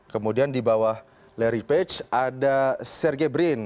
kemudian di bawah larry page ada serge brin